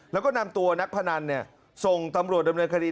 แล้วก็นำตัวนักพนันส่งตำรวจดำเนินคดี